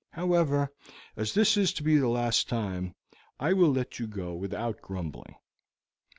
However, as this is to be the last time, I will let you go without grumbling."